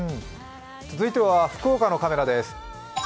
続いては福岡のカメラです。